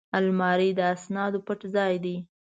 الماري د اسنادو پټ ځای دی